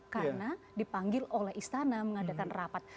karena dipanggil oleh istana mengadakan rapat